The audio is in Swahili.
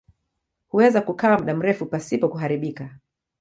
Huweza kukaa muda mrefu pasipo kuharibika.